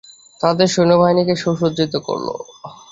তাদের সৈন্যবাহিনীকে সুসজ্জিত করল।